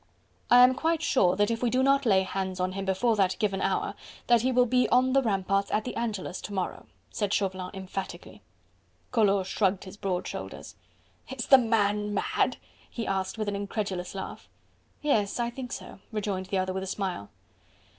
"I am quite sure that if we do not lay hands on him before that given hour, that he will be on the ramparts at the Angelus to morrow," said Chauvelin emphatically. Collot shrugged his broad shoulders. "Is the man mad?" he asked with an incredulous laugh. "Yes, I think so," rejoined the other with a smile.